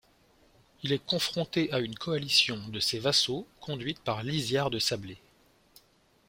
Il est confronté à une coalition de ses vassaux conduite par Lisiard de Sablé.